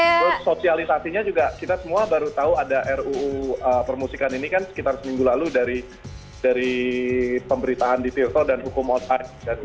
terus sosialisasinya juga kita semua baru tahu ada ruu permusikan ini kan sekitar seminggu lalu dari pemberitaan di tiktok dan hukum online